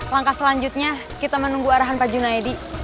langkah selanjutnya kita menunggu arahan pak junaidi